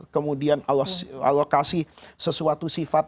kemudian allah kasih sesuatu sifat